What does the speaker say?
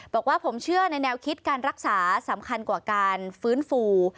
บอกว่าผมเชื่อในแนวคิดการรักษาสำคัญกว่าการฟื้นฟู